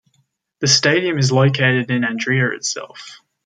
The stadium is located in Andria itself.